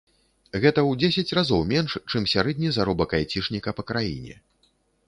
Гэта ў дзесяць разоў менш, чым сярэдні заробак айцішніка па краіне.